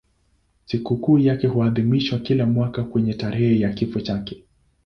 Sikukuu yake huadhimishwa kila mwaka kwenye tarehe ya kifo chake.